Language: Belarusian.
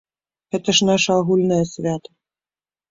Гэта ж нашае агульнае свята!